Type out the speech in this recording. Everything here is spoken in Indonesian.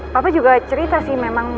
papa juga cerita sih memang